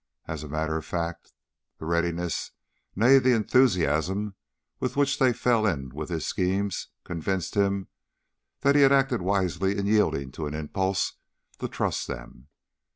As a matter of fact, the readiness, nay, the enthusiasm with which they fell in with his schemes convinced him that he had acted wisely in yielding to an impulse to trust them.